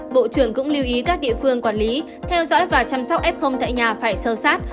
bộ trưởng cũng lưu ý các địa phương quản lý theo dõi và chăm sóc f tại nhà phải sâu sát